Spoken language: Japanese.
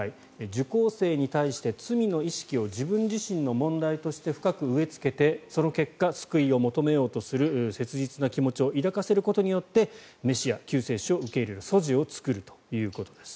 受講生に対して罪の意識を自分自身の問題として深く植えつけてその結果、救いを求めようとする切実な気持ちを抱かせることによってメシア、救世主を受け入れる素地を作るということです。